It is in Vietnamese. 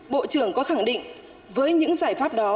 bộ trưởng có khẳng định với những giải pháp đó